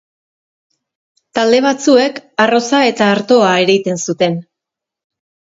Talde batzuek arroza eta artoa ereiten zuten.